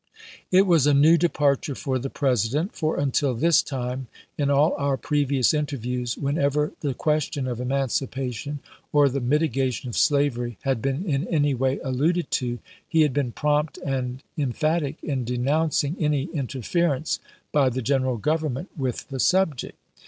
It was a new departure for the President, for until this time, in all our previous interviews, whenever the question of emancipation or the mitigation of slavery had been in any way alluded to, he had been prompt and emphatic in denouncing any interference by the General Government with the subject.